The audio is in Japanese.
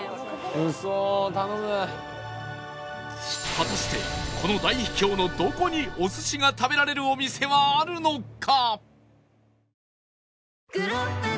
果たしてこの大秘境のどこにお寿司が食べられるお店があるのか？